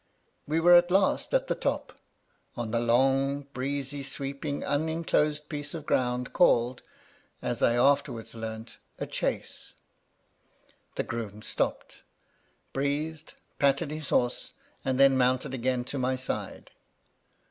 We were at last at the top, — on a long, breezy, sweeping, unenclosed piece of ground, called, as I 20 MY LADY LUDLOW. afterwards learnt, a Chase. The groom stopped, breathed, patted his horse, and then mounted again to my side.